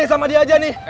sama dia aja nih